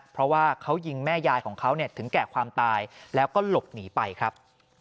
เพราะว่าเขายิงแม่ยายของเขาถึงแก่ความตายแล้วก็หลบหนีไปครับ